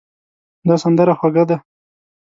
دا سندره خوږه ده.